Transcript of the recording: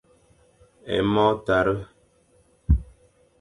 Ê mo tare.